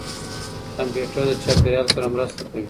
کمپيوټر د چاپېريال سره مرسته کوي.